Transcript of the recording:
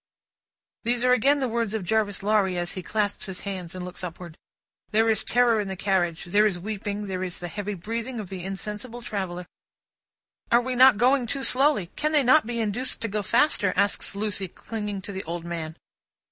These are again the words of Jarvis Lorry, as he clasps his hands, and looks upward. There is terror in the carriage, there is weeping, there is the heavy breathing of the insensible traveller. "Are we not going too slowly? Can they not be induced to go faster?" asks Lucie, clinging to the old man.